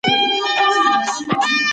هغه په یخني کې پر سړک ولاړ پاتې شو.